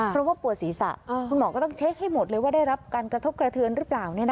เพราะว่าปวดศีรษะคุณหมอก็ต้องเช็คให้หมดเลยว่าได้รับการกระทบกระเทือนหรือเปล่า